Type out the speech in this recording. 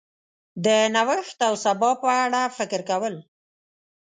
د نوښت او سبا په اړه فکر کول